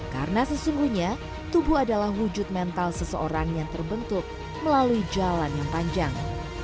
karena sesungguhnya tubuh adalah wujud mental seseorang yang terbentuk melalui jalan yang panjang